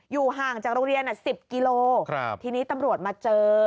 ห่างจากโรงเรียน๑๐กิโลทีนี้ตำรวจมาเจอ